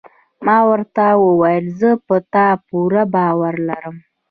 ما ورته وویل: زه پر تا پوره باور لرم.